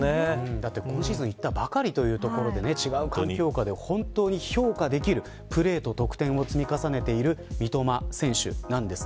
今シーズン行ったばかりということで本当に評価できるプレーと得点を積み重ねている三笘選手です。